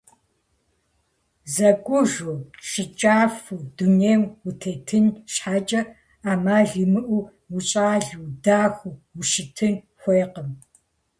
ЗэкӀужу, щӀыкӀафӀэу дунейм утетын щхьэкӀэ Ӏэмал имыӀэу ущӀалэу, удахэу ущытын хуейкъым.